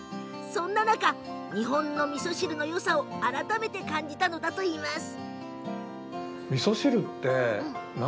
そんな中、日本のみそ汁のよさを改めて感じたのだといいます。